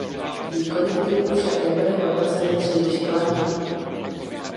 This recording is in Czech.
Výkony typu však nebyly hodnoceny příliš kladně.